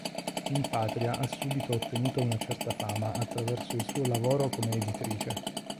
In patria ha subito ottenuto una certa fama attraverso il suo lavoro come editrice.